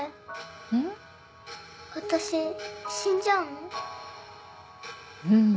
私死んじゃうの？